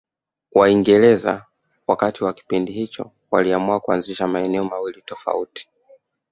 Waingereza wakati wa kipindi hicho waliamua kuanzisha maeneo mawili tofauti